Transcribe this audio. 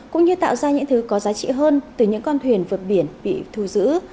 cũng như tạo ra những thứ có giá trị hơn từ những con thuyền vượt biển bị thu giữ